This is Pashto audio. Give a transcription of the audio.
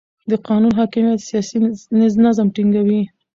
د قانون حاکمیت سیاسي نظم ټینګوي